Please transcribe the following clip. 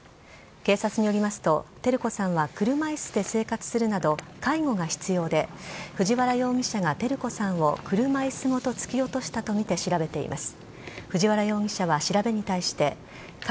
警察によりますと照子さんは車いすで生活するなど介護が必要で藤原容疑者が照子さんを車いすごと突き落としたとみて調べています。